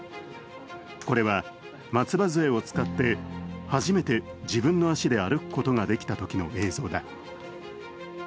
これは松葉杖を使って、初めて自分の足で歩くことができたときの映像だ。